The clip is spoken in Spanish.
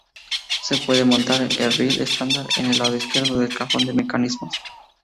Se puede montar el riel estándar en el lado izquierdo del cajón de mecanismos.